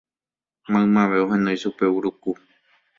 maymave ohenói chupe Uruku